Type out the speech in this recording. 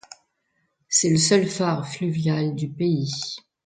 C'est le seul phare fluvial du pays.